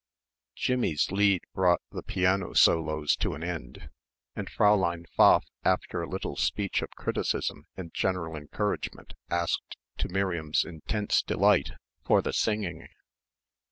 Jimmie's Lied brought the piano solos to an end, and Fräulein Pfaff after a little speech of criticism and general encouragement asked, to Miriam's intense delight, for the singing.